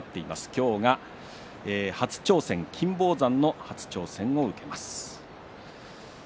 今日は金峰山の初挑戦を受けます。